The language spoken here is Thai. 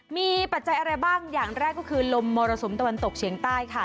มีปัจจัยอะไรบ้างอย่างแรกก็คือลมมรสุมตะวันตกเฉียงใต้ค่ะ